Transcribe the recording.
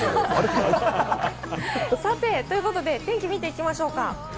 ということで天気を見ていきましょうか。